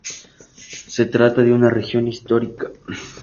Se trata de una región histórica.